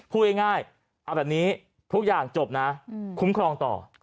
พูดง่ายเอาแบบนี้ทุกอย่างจบนะคุ้มครองต่อ